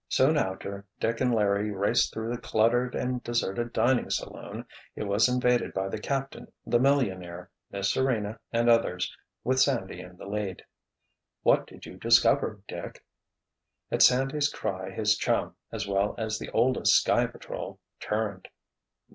Soon after Dick and Larry raced through the cluttered and deserted dining saloon, it was invaded by the captain, the millionaire, Miss Serena and others, with Sandy in the lead. "What did you discover, Dick?" At Sandy's cry his chum, as well as the oldest Sky Patrol, turned.